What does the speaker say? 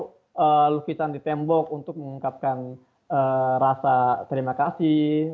mereka juga tidak pernah melakukan perlombaan di tembok untuk mengungkapkan rasa terima kasih